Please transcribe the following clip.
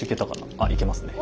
あっ行けますね。